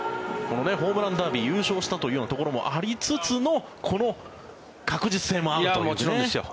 ホームランダービー優勝したというところもありつつのこの確実性もあるというね。